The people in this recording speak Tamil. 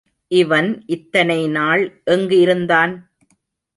இவன் இத்தனை நாள் எங்கு இருந்தான்?